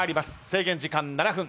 制限時間７分。